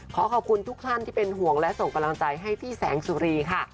ขอขอบคุณทุกท่านที่เป็นห่วงและส่งกำลังใจให้พี่แสงสุรีค่ะ